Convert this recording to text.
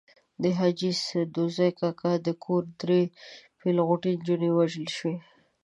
د حاجي سدوزي کاکا د کور درې پېغلوټې نجونې وژل شوې.